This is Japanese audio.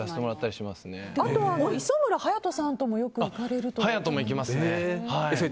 あとは、磯村勇斗さんともよく行かれるとか。